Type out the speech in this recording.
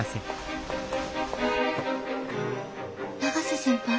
永瀬先輩？